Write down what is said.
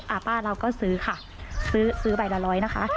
ป้าเราก็ซื้อค่ะซื้อซื้อใบละร้อยนะคะ